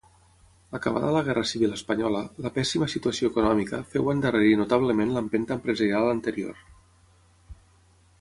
Acabada la guerra civil espanyola, la pèssima situació econòmica féu endarrerir notablement l'empenta empresarial anterior.